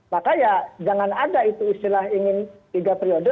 maka ya jangan ada itu istilah ingin tiga periode